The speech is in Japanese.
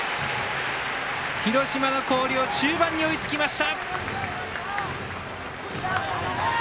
広島の広陵中盤に追いつきました。